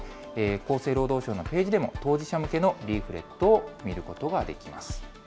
厚生労働省のページでも、当事者向けのリーフレットを見ることができます。